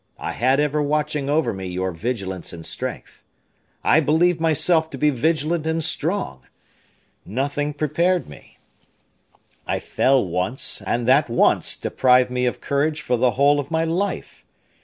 I had ever watching over me your vigilance and strength. I believed myself to be vigilant and strong. Nothing prepared me; I fell once, and that once deprived me of courage for the whole of my life.